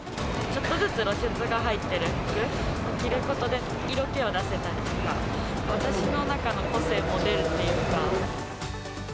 ちょっとずつ露出が入っている服を着ることで、色気を出せたりとか、私の中の個性も出るっていうか。